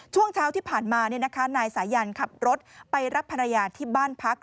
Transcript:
ช่วงเช้าที่ผ่านมานายสายันขับรถไปรับภรรยาที่บ้านพัก